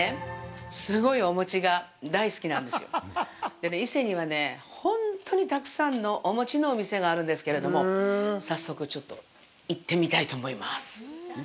私ねでね、伊勢にはね、ほんとにたくさんのお餅のお店があるんですけれども、早速、ちょっと行ってみたいと思います。